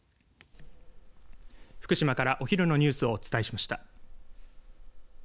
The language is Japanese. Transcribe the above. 福島からお昼のニュースをお伝えしました。